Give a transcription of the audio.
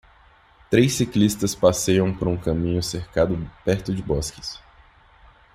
Três ciclistas passeiam por um caminho cercado perto de bosques.